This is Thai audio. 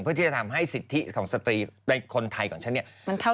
เพื่อที่จะทำให้สิทธิของสตรีในคนไทยของฉันเนี่ยเท่าเทียมกันค่ะ